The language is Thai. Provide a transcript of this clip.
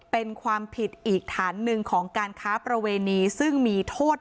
เป็นความผิดอีกฐานหนึ่งของการค้าประเวณีซึ่งมีโทษ